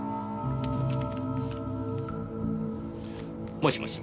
もしもし。